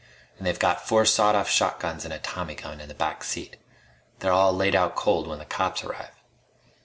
And they've got four sawed off shotguns and a tommy gun in the back seat. They're all laid out cold when the cops arrive."